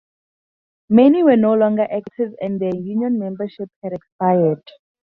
Many were no longer active and their union memberships had expired.